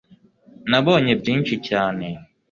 nabonye byinshi cyane